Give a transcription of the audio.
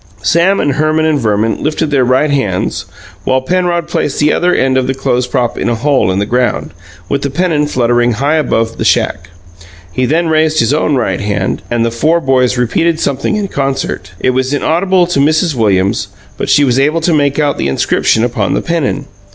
Sam and Herman and Verman lifted their right hands, while Penrod placed the other end of the clothes prop in a hole in the ground, with the pennon fluttering high above the shack. He then raised his own right hand, and the four boys repeated something in concert. It was inaudible to Mrs. Williams; but she was able to make out the inscription upon the pennon.